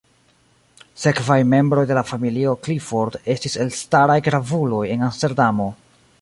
Sekvaj membroj de la familio Clifford estis elstaraj gravuloj en Amsterdamo.